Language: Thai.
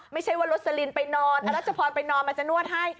ไม่ใช่ว่าโรสลินไปนอนอรัชพรไปนอนมันจะนวดให้